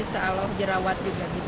se aloh jerawat juga bisa